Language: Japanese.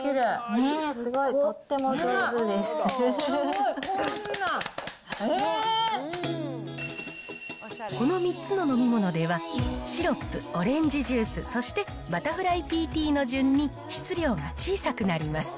ねぇ、すごいとっても上手ですごい、この３つの飲み物では、シロップ、オレンジジュース、そしてバタフライピーティーの順に質量が小さくなります。